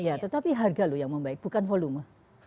ya tetapi harga loh yang membaik bukan volume